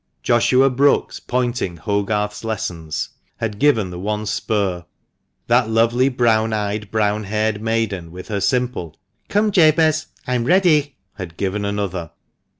Joshua Brookes pointing Hogarth's lessons had given the one spur; that lovely brown eyed, brown haired maiden, with her simple, "Come, Jabez — I'm ready," had given another.